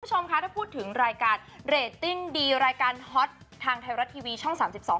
คุณผู้ชมคะถ้าพูดถึงรายการเรตติ้งดีรายการฮอตทางไทยรัฐทีวีช่องสามสิบสอง